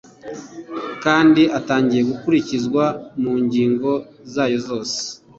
Kandi atangiye gukurikizwa mu ngingo zayo zose